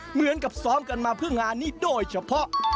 เหมือนกับซ้อมกันมาเพื่องานนี้โดยเฉพาะ